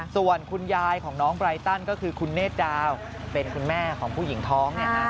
ส่วนคุณยายของน้องไบรตันก็คือคุณเนธดาวเป็นคุณแม่ของผู้หญิงท้องเนี่ย